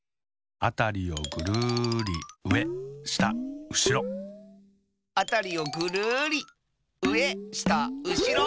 「あたりをぐるりうえしたうしろ」「あたりをぐるりうえしたうしろ」